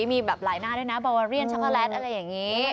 มีแบบหลายหน้าด้วยนะบาวาเรียนช็กโกแลตอะไรอย่างนี้